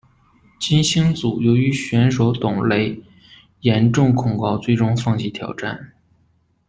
金星组由于选手董蕾严重恐高最终放弃挑战。